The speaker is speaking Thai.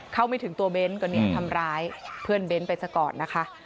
ไม่ถึงตัวเบ้นก็เนี่ยทำร้ายเพื่อนเบ้นไปซะก่อนนะคะ